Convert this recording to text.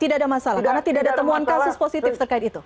tidak ada masalah karena tidak ada temuan kasus positif terkait itu